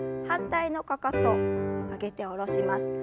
反対のかかと上げて下ろします。